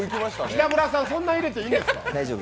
北村さん、そんな入れていいんですか！？